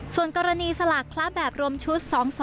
ส่วนกรณีสลากคละแบบรวมชุด๒๒